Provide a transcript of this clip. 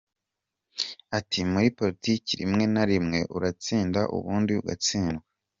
Ati “Muri politike, rimwe na rimwe uratsinda, ubundi ugatsindwa.